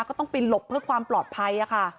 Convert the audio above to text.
ก็ต้องไปหลบเพื่อความปลอดภัยค่ะ